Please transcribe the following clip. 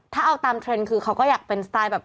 ถ้าเอาตามเทรนด์คือเขาก็อยากเป็นสไตล์แบบ